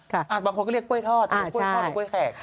บางคนก็เรียกกล้วยทอดแล้วก็เรียกกล้วยแขก